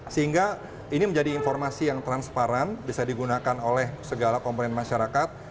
sehingga ini menjadi informasi yang transparan bisa digunakan oleh segala komponen masyarakat